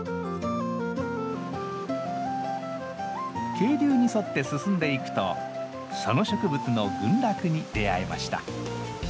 渓流に沿って進んでいくとその植物の群落に出会えました。